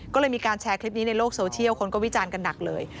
ก็เลยมีการแชร์คลิปนี้ในโลกโซเชียลคนก็วิจารณ์กันหนักเลย